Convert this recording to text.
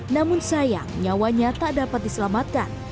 namun sayang nyawanya tak dapat diselamatkan